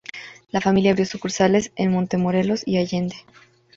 La familia abrió sucursales en Montemorelos y Allende.